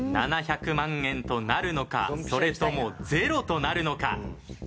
７００万円となるのかそれともゼロとなるのか。